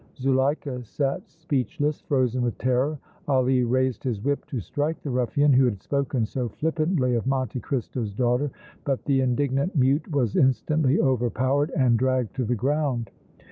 Zuleika sat speechless, frozen with terror. Ali raised his whip to strike the ruffian who had spoken so flippantly of Monte Cristo's daughter, but the indignant mute was instantly overpowered and dragged to the ground.